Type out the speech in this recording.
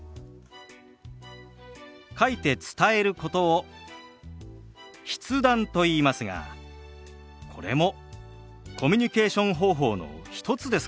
書いて伝えることを「筆談」といいますがこれもコミュニケーション方法の一つですから。